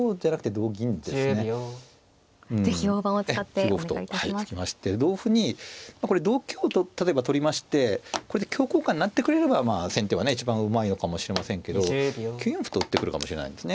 ９五歩と突きまして同歩にまあこれ同香と例えば取りましてこれで香交換になってくれれば先手はね一番うまいのかもしれませんけど９四歩と打ってくるかもしれないんですね。